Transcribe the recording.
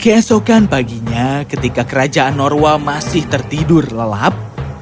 keesokan paginya ketika kerajaan norwa masih tertidur lelap